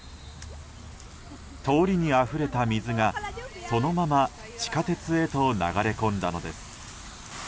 通りにあふれた水がそのまま地下鉄へと流れ込んだのです。